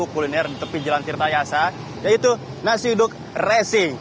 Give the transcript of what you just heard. kuliner di tepi jalan tirta yasa yaitu nasi uduk resing